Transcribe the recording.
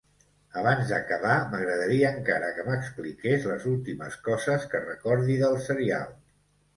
Abans d'acabar m'agradaria encara que m'expliqués les últimes coses que recordi del serial.